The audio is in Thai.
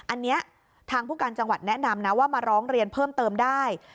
อันนี้ทางผู้การจังหวัดแนะนำนะว่ามาร้องเรียนเพิ่มเติมได้